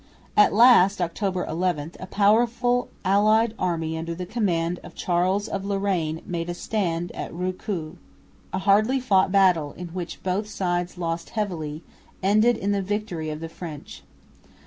At last (October 11) a powerful allied army under the command of Charles of Lorraine made a stand at Roucoux. A hardly fought battle, in which both sides lost heavily, ended in the victory of the French.